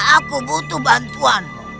aku butuh bantuan